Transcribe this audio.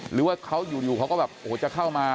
หรือว่าเขาอยู่เขาก็แบบโอ้โหจะเข้ามา